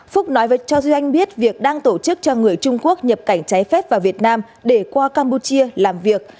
phúc nói với cho duy anh biết việc đang tổ chức cho người trung quốc nhập cảnh trái phép vào việt nam để qua campuchia làm việc